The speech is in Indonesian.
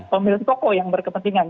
pemilik toko yang berkepentingan